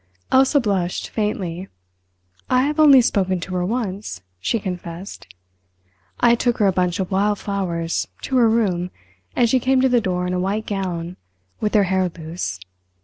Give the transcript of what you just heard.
Elsa blushed faintly. "I have only spoken to her once," she confessed. "I took her a bunch of wild flowers, to her room, and she came to the door in a white gown, with her hair loose.